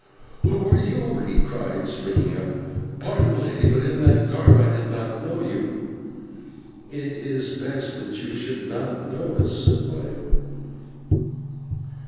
"Who are you?" he cried, springing up. "Pardon, Lady, but in that garb I did not know you." "It is best that you should not know us," said Maya.